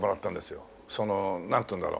そのなんていうんだろう？